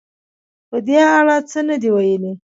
په دې اړه څه نه دې ویلي